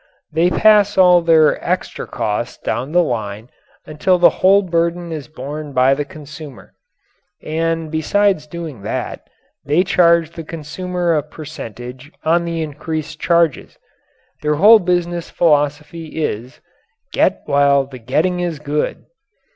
They pass all their extra costs down the line until the whole burden is borne by the consumer; and besides doing that, they charge the consumer a percentage on the increased charges. Their whole business philosophy is: "Get while the getting is good."